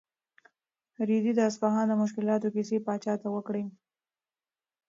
رېدي د اصفهان د مشکلاتو کیسې پاچا ته وکړې.